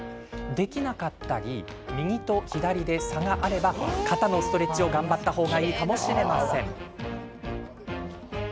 できなかったり右と左で差があれば肩のストレッチを頑張った方がいいかもしれません。